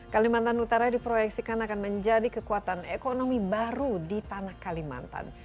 kalimantan utara diproyeksikan akan menjadi kekuatan ekonomi baru di tanah kalimantan